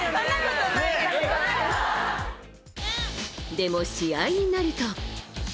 でも、試合になると。